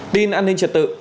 tin an ninh trật tự